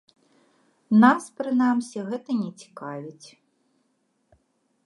Нас, прынамсі, гэта не цікавіць.